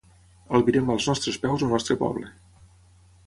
Albirem als nostres peus el nostre poble.